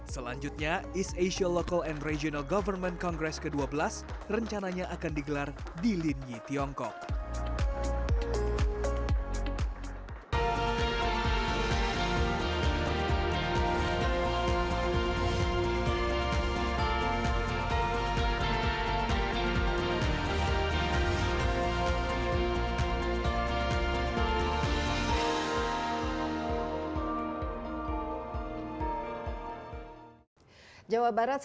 selanjutnya east asia local and regional government congress ke dua belas rencananya akan digelar di linyi tiongkok